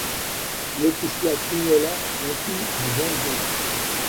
Laëtitia Tignola grandit en Vendée.